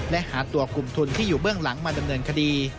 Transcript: และหาตัวกลุ่มทุนที่อยู่เบื้องหลังมาดำเนินคดี